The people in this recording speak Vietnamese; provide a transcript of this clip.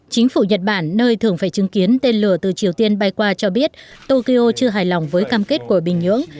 chính phủ nhật bản nơi thường phải chứng kiến tên lửa từ triều tiên bay qua cho biết tokyo chưa hài lòng với cam kết của bình nhưỡng